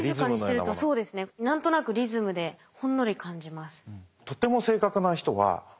何となくリズムでほんのり感じます。